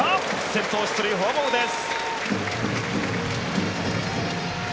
先頭出塁、フォアボールです。